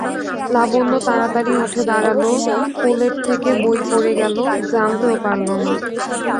লাবণ্য তাড়াতাড়ি উঠে দাঁড়াল, কোলের থেকে বই গেল পড়ে, জানতেও পারলে না।